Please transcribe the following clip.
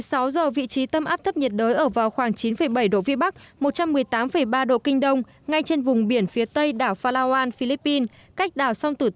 hồi một mươi sáu h vị trí tâm áp thấp nhiệt đới ở vào khoảng chín bảy độ vn một trăm một mươi tám ba độ k ngay trên vùng biển phía tây đảo palawan philippines